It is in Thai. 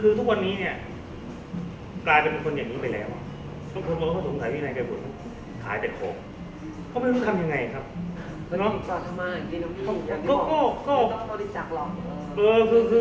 คือทุกวันนี้เนี่ยกลายเป็นเป็นคนอย่างนี้ไปแล้วเพราะว่าเขาสมมุติขายวิ่งไหนไปบุตร